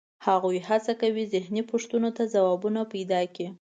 هغوی هڅه کوي ذهني پوښتنو ته ځوابونه پیدا کړي.